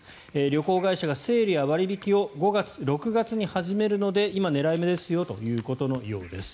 旅行会社がセールや割引を５月、６月に始めるので今、狙い目ですよということのようです。